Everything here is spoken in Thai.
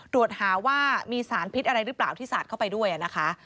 ตรวจหาว่ามีสารพิษอะไรหรือเปล่าที่สาดเข้าไปด้วยนะคะ